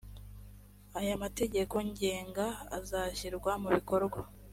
aya mategeko ngenga azashyirwa mubikorwa